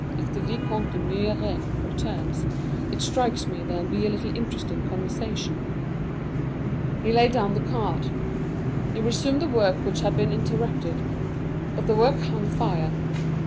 "If the Vicomte d'Humières returns, it strikes me there'll be a little interesting conversation." He laid down the card. He resumed the work which had been interrupted. But the work hung fire.